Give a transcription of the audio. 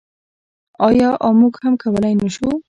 آیا او موږ هم کولی نشو؟